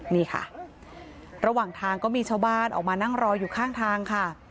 นี่ค่ะระหว่างทางก็มีชาวบ้านออกมานั่งรออยู่ข้างทางค่ะ